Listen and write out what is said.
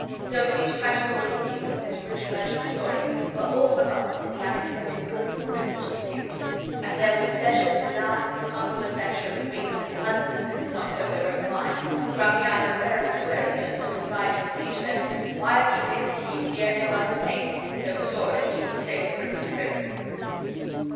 So these tragical beginnings of this rich merchant's story were all forgotten in the unexpected good fortune which ensued; and there was leisure to laugh at the comical adventure of the rings and the husbands that did not know their own wives, Gratiano merrily swearing, in a sort of rhyming speech, that While he lived, he'd fear no other thing So sore, as keeping safe Nerissa's ring.